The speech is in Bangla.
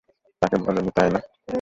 তাকে বলো নি, তাই না?